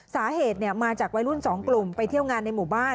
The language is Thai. สาเหตุมาจากวัยรุ่นสองกลุ่มไปเที่ยวงานในหมู่บ้าน